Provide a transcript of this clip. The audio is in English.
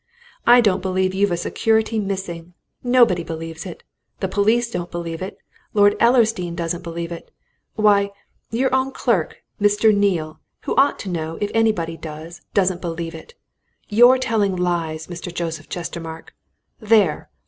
I don't believe you've a security missing! Nobody believes it! The police don't believe it. Lord Ellersdeane doesn't believe it. Why, your own clerk, Mr. Neale, who ought to know, if anybody does, doesn't believe it! You're telling lies, Mr. Joseph Chestermarke there!